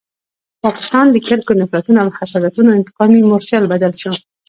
پاکستان د کرکو، نفرتونو او حسادتونو انتقامي مورچل بدل شو.